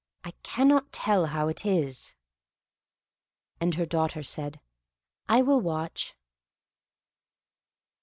I cannot tell how it is!" And her daughter said, "I will watch."